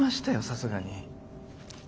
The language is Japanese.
さすがに。